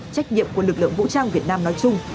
trách nhiệm của lực lượng vũ trang việt nam nói chung